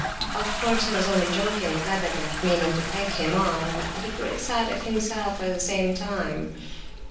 Of course he was only joking with Lebedeff, meaning to egg him on, but he grew excited himself at the same time.